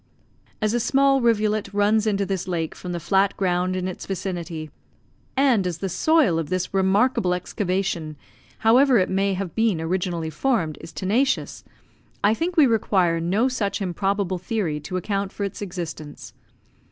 As a small rivulet runs into this lake from the flat ground in its vicinity, and as the soil of this remarkable excavation, however it may have been originally formed, is tenacious, I think we require no such improbable theory to account for its existence.